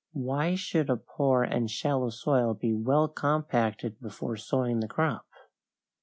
Why should a poor and shallow soil be well compacted before sowing the crop?